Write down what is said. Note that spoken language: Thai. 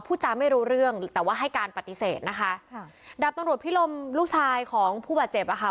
จาไม่รู้เรื่องแต่ว่าให้การปฏิเสธนะคะค่ะดาบตำรวจพิรมลูกชายของผู้บาดเจ็บอ่ะค่ะ